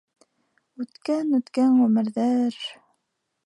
Үткән, үткән ғүмерҙәр!..